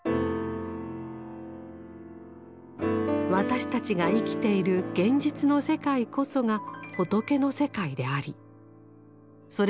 私たちが生きている現実の世界こそが「仏の世界」でありそれ